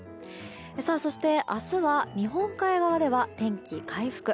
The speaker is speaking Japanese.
そして明日は日本海側では天気、回復。